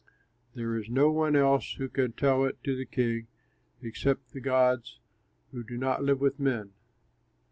There is no one else who can tell it to the king, except the gods, who do not live with men."